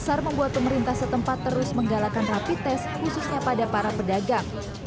pasar membuat pemerintah setempat terus menggalakan rapid test khususnya pada para pedagang